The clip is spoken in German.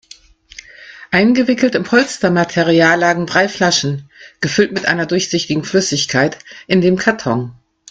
Eingewickelt in Polstermaterial lagen drei Flaschen, gefüllt mit einer durchsichtigen Flüssigkeit, in dem Karton.